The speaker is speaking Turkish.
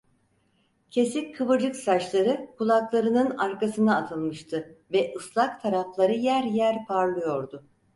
Kesik kıvırcık saçları kulaklarının arkasına atılmıştı ve ıslak tarafları yer yer parlıyordu.